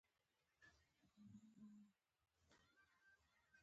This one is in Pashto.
یا د اوبو اضافي سرچېنې د ځمکې لاندې طبقاتو Aquifers ته ننوځي.